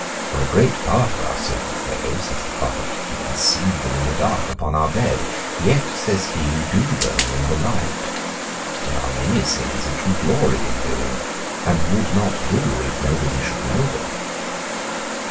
for a great part of our sins, though, says thy prophet, we conceive them in the dark, upon our bed, yet, says he, we do them in the light; there are many sins which we glory in doing, and would not do if nobody should know them.